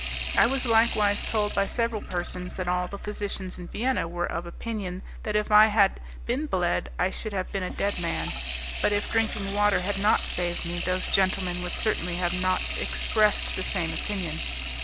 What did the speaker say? I was likewise told by several persons that all the physicians in Vienna were of opinion that if I had been bled I should have been a dead man; but if drinking water had not saved me, those gentlemen would certainly not have expressed the same opinion.